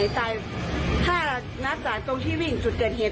จากตรงที่วิ่งจุดเหตุเหตุ